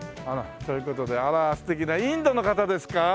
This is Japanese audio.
という事であら素敵なインドの方ですか？